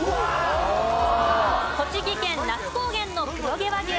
栃木県那須高原の黒毛和牛。